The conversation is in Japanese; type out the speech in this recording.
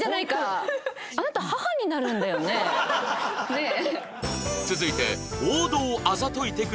ねえ？